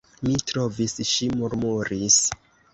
Mi trovis, ŝi murmuris.